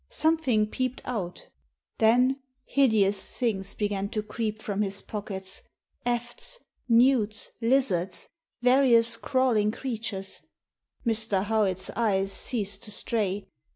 Something peeped out Then hideous things began to creep from his pockets— efts, newts, lizards, various crawling crea tures. Mr. Howitt's eyes ceased to stray.